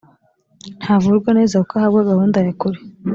ntavurwa neza kuko ahabwa gahunda ya kure